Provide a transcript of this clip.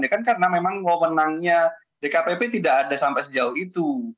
ya kan karena memang wawenangnya dkpp tidak ada sampai sejauh itu